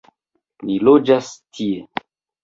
Ni loĝas tie.